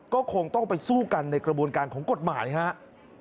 ก็คงต้องไปสู้กันในกระบวนการของกฎหมายครับ